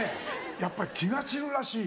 やっぱり気が散るらしい。